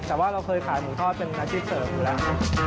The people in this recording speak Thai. แต่ว่าเราเคยขายหมูทอดเป็นอาชีพเสริมอยู่แล้ว